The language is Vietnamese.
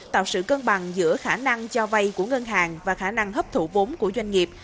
tạo sự cân bằng giữa khả năng cho vay của ngân hàng và khả năng hấp thụ vốn của doanh nghiệp